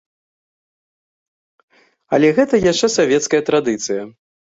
Але гэта яшчэ савецкая традыцыя.